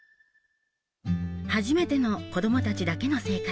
初めての子供たちだけの生活。